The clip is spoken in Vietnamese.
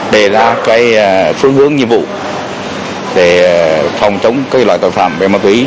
đề ra cái phương hướng nhiệm vụ để phòng chống các loại tội phạm ma túy